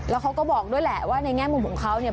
แล้วเขาก็บอกด้วยแหละว่าในแง่มุมของเขาเนี่ย